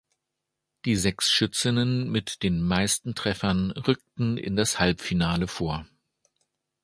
Die sechs Schützinnen mit den meisten Treffern rückten in das Halbfinale vor.